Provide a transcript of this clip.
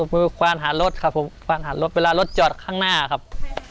ควานหารถครับผมควานหารถเวลารถจอดข้างหน้าครับ